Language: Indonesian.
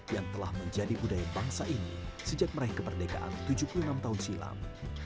yang telah menjadi budaya bangsa ini sejak meraih kemerdekaan tujuh puluh enam tahun silam